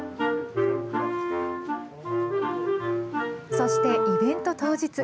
そして、イベント当日。